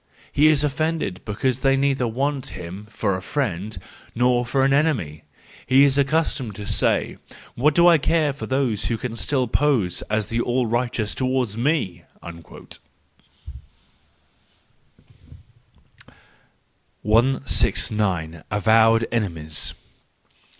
—he is offended because they neither want him for a friend nor for an enemy; he is accustomed to say: * What do I care for those who can still pose as the all righteous towards me!'" 169. Avowed Enemies